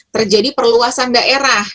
terjadi perluasan daerah